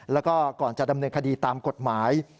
แล้วก็ก่อนจะดำเนินคดีตามกฎหมาย